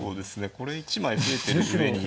これ１枚増えてる上に。